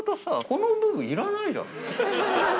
この部分いらないじゃん。